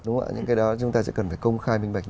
những cái đó chúng ta sẽ cần phải công khai